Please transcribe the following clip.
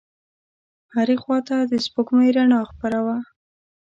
هرې خواته د سپوږمۍ رڼا خپره وه.